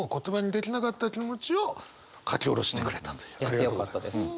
やってよかったです。